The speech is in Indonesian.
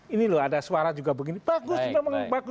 ini loh ada suara juga begini bagus juga memang bagus